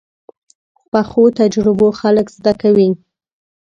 پخو تجربو خلک زده کوي